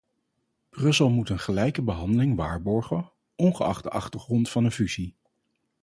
Brussel moet een gelijke behandeling waarborgen, ongeacht de achtergrond van een fusie.